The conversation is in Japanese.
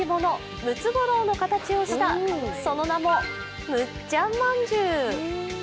ムツゴロウの形をしたその名も、むっちゃん万十。